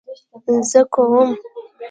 زه کوم